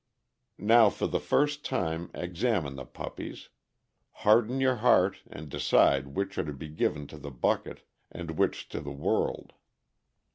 Now for the first time examine the puppies; harden your heart, and decide which are to be given to the bucket and which to the world.